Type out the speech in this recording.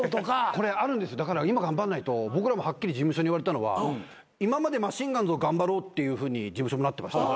これあるんですだから今頑張んないと僕らもはっきり事務所に言われたのは今までマシンガンズを頑張ろうっていうふうに事務所もなってました。